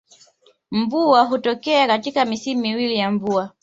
Mvua hutokea katika misimu miwili ya mvua